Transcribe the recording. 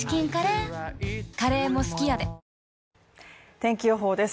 天気予報です。